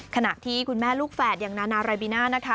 ขณะที่คุณแม่ลูกแฝดอย่างนานารายบิน่านะคะ